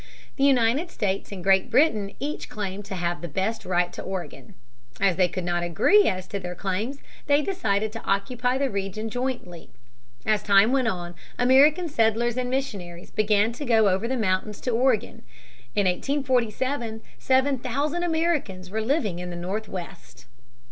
The United States and Great Britain each claimed to have the best right to Oregon. As they could not agree as to their claims, they decided to occupy the region jointly. As time went on American settlers and missionaries began to go over the mountains to Oregon. In 1847 seven thousand Americans were living in the Northwest.